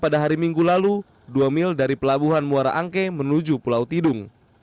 pada hari minggu lalu dua mil dari pelabuhan muara angke menuju pulau tidung